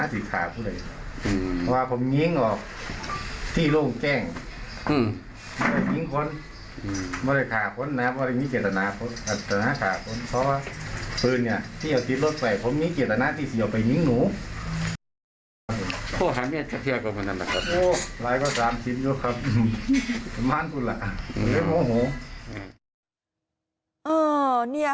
หลายก็๓ชิ้นด้วยครับสม่านสุดล่ะเหลือโมโหโห